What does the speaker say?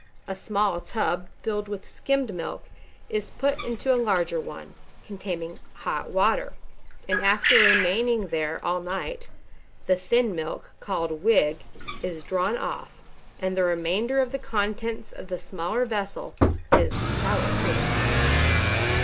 A small tub filled with skimmed milk is put into a larger one, containing hot water, and after remaining there all night, the thin milk (called wigg) is drawn off, and the remainder of the contents of the smaller vessel is "sour cream."